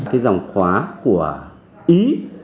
cái dòng khóa của ý